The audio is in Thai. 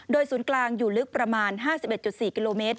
ศูนย์กลางอยู่ลึกประมาณ๕๑๔กิโลเมตร